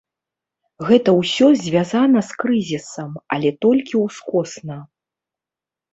Гэта ўсё звязана з крызісам, але толькі ўскосна.